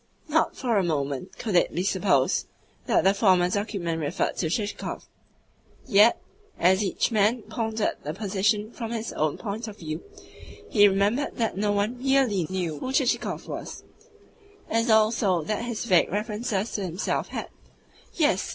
Not for a moment could it be supposed that the former document referred to Chichikov; yet, as each man pondered the position from his own point of view, he remembered that no one REALLY knew who Chichikov was; as also that his vague references to himself had yes!